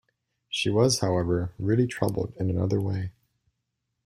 She was, however, really troubled in another way.